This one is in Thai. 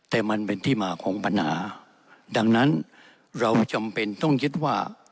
แต่มันเป็นที่มาของปัญหาดังนั้นเราจำเป็นต้องยึดว่า